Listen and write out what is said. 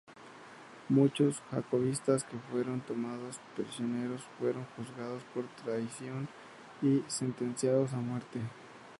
Muchos jacobitas que fueron tomados prisioneros fueron juzgados por traición y sentenciados a muerte.